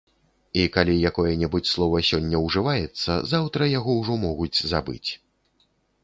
І калі якое-небудзь слова сёння ўжываецца, заўтра яго ўжо могуць забыць.